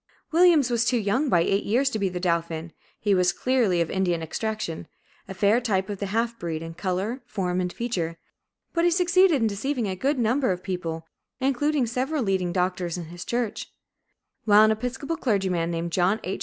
Williams was too young by eight years to be the dauphin; he was clearly of Indian extraction, a fair type of the half breed, in color, form, and feature. But he succeeded in deceiving a number of good people, including several leading doctors in his church; while an Episcopal clergyman named John H.